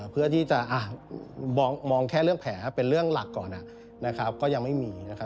เพื่อที่จะมองแค่เรื่องแผลเป็นเรื่องหลักก่อนนะครับก็ยังไม่มีนะครับ